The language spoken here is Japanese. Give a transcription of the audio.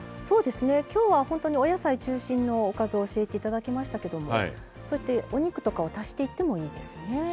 そうですね今日はほんとにお野菜中心のおかずを教えて頂きましたけどもそうやってお肉とかを足していってもいいですね。